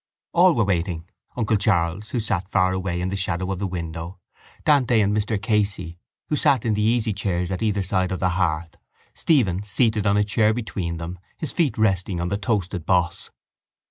All were waiting: uncle Charles, who sat far away in the shadow of the window, Dante and Mr Casey, who sat in the easychairs at either side of the hearth, Stephen, seated on a chair between them, his feet resting on the toasted boss.